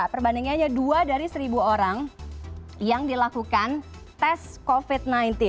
perbandingannya dua dari seribu orang yang dilakukan tes covid sembilan belas